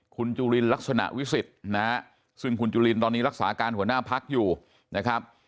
คุณจุลินลักษณะวิสิทธิ์นะฮะซึ่งคุณจุลินตอนนี้รักษาการหัวหน้าพักอยู่นะครับ